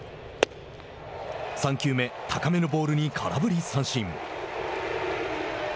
３球目、高めのボールに空振り三振。